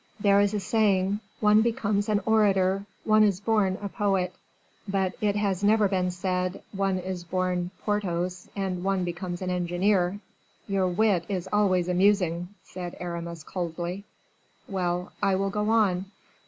There is a saying, one becomes an orator, one is born a poet; but it has never been said, one is born Porthos, and one becomes an engineer." "Your wit is always amusing," said Aramis, coldly. "Well, I will go on."